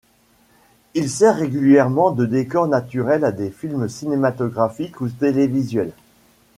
Il sert régulièrement de décors naturel à des films cinématographiques ou télévisuels.